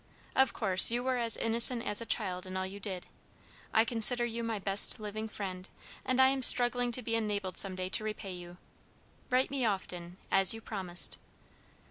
Of course you were as innocent as a child in all you did. I consider you my best living friend, and I am struggling to be enabled some day to repay you. Write me often, as you promised.